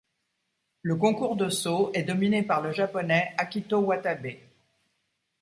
Le concours de saut est dominé par le Japonais Akito Watabe.